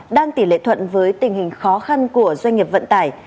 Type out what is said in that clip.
đang tỷ lệ thuận với tình hình khó khăn của doanh nghiệp vận tải